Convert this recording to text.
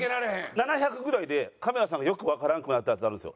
７００ぐらいでカメラさんがよくわからなくなったやつあるんですよ。